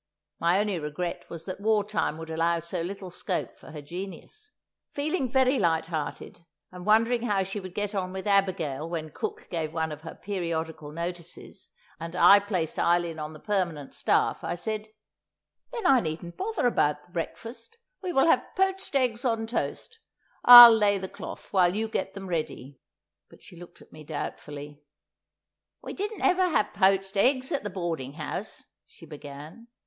My only regret was that war time would allow so little scope for her genius! Feeling very light hearted, and wondering how she would get on with Abigail when cook gave one of her periodical notices and I placed Eileen on the permanent staff, I said: "Then I needn't bother about the breakfast! We will have poached eggs on toast. I'll lay the cloth while you get them ready." But she looked at me doubtfully. "We didn't ever have poached eggs at the boarding house," she began.